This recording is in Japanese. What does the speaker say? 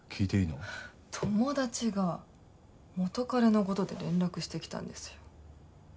友達が元カレの事で連絡してきたんですよ。